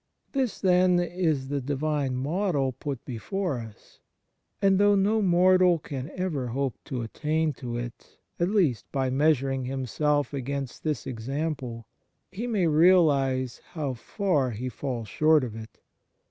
This, then, is the Divine model put before us ; and though no mortal can ever hope to attain to it, at least by measuring himself against this example he may realize how far he falls short of it.